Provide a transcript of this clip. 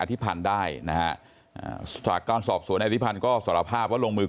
อธิพรรณได้ถ้าการสอบสวนอธิพรรณก็สารภาพว่าลงมือก่อ